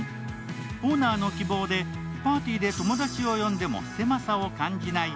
オーナーの希望でパーティーで友達を呼んでも狭さを感じない